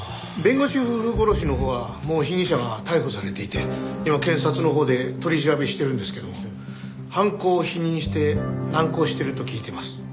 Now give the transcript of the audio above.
弁護士夫婦殺しのほうはもう被疑者が逮捕されていて今検察のほうで取り調べしてるんですけど犯行を否認して難航してると聞いています。